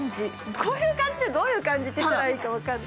こういう感じって、どういう感じっていうか分からない。